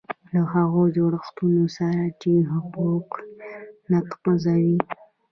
له هغو جوړښتونو سره چې حقوق نقضوي.